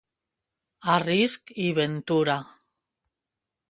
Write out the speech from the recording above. A risc i ventura.